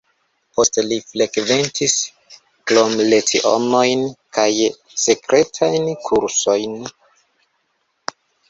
Poste li frekventis kromlecionojn kaj sekretajn kursojn.